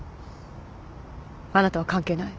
あなたは関係ない。